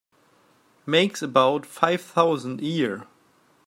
Makes about five thousand a year.